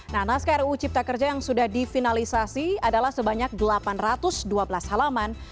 nah naskah ruu cipta kerja yang sudah difinalisasi adalah sebanyak delapan ratus dua belas halaman